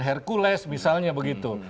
hercules misalnya begitu